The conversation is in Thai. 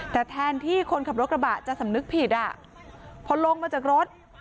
แต่แทนที่คนขับรถกระบะจะสำนึกผิดอ่ะพอลงมาจากรถ